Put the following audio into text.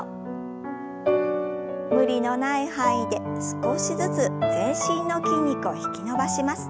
無理のない範囲で少しずつ全身の筋肉を引き伸ばします。